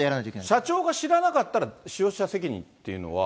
社長が知らなかったら、使用者責任というのは？